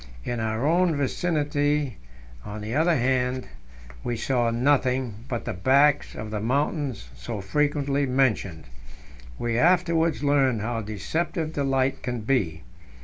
In our own vicinity, on the other band, we saw nothing but the backs of the mountains so frequently mentioned. We afterwards learned how deceptive the light can be.